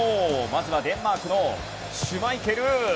まずはデンマークのシュマイケル。